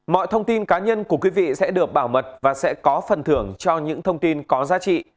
mọi thông tin cá nhân của quý vị sẽ được bảo mật và sẽ có phần thưởng cho những thông tin có giá trị